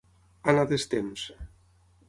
Anar a destemps.